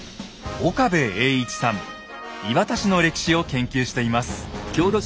磐田市の歴史を研究しています。